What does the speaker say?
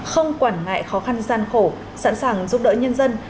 không quản ngại khó khăn gian khổ sẵn sàng giúp đỡ nhân dân